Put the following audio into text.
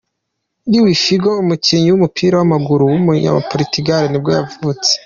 Luís Figo, umukinnyi w’umupira w’amaguru w’umunyaportigal nibwo yavutse.